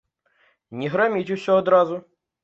Не граміць усё адразу.